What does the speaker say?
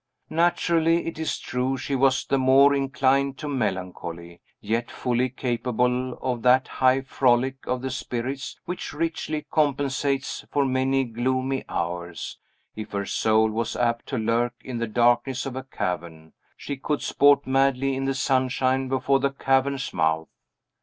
Naturally, it is true, she was the more inclined to melancholy, yet fully capable of that high frolic of the spirits which richly compensates for many gloomy hours; if her soul was apt to lurk in the darkness of a cavern, she could sport madly in the sunshine before the cavern's mouth.